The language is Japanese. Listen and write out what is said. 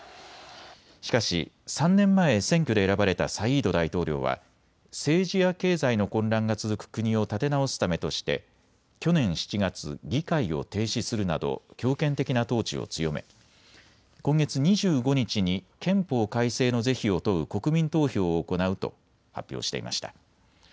しかし３年前、選挙で選ばれたサイード大統領は政治や経済の混乱が続く国を立て直すためとして去年７月、議会を停止するなど強権的な統治を強め今月２５日に憲法改正の是非を問う国民投票を行うと発表していました。